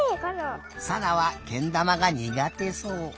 さなはけんだまがにがてそう。